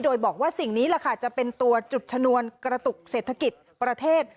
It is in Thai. โดยบอกว่าสิ่งนี้แหละค่ะจะเป็นตัวจุดชนวนกระตุกเศรษฐกิจประเทศ